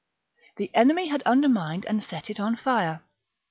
The enemy had undermined and set it on fire.